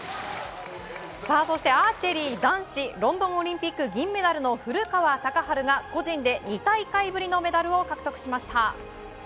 アーチェリー男子ロンドンオリンピック銀メダルの古川高晴が、個人で２大会ぶりのメダルを獲得しました。